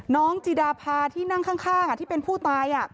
จิดาพาที่นั่งข้างที่เป็นผู้ตาย